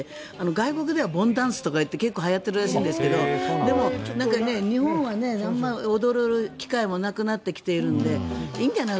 外国ではボンダンスといって結構はやっているらしいんですがでも、日本は踊る機会もなくなってきているのでいいんじゃない？